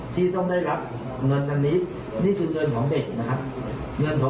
ที่ต้องได้รับเงินอันนี้นี่คือเงินของเด็กนะครับเงินของ